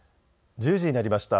１０時になりました。